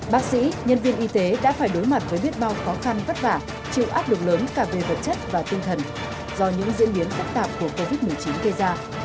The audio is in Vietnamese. bác sĩ nhân viên y tế đã phải đối mặt với biết bao khó khăn vất vả chịu áp lực lớn cả về vật chất và tinh thần do những diễn biến phức tạp của covid một mươi chín gây ra